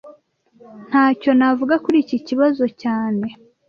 Ntacyo navuga kuri iki kibazo cyane